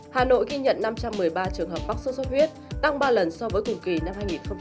hà nội ghi nhận năm trăm một mươi ba trường hợp bóc sô sốt huyết tăng ba lần so với cùng kỳ năm hai nghìn hai mươi ba